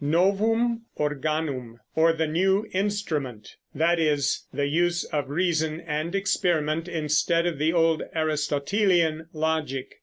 Novum Organum, or the "new instrument," that is, the use of reason and experiment instead of the old Aristotelian logic.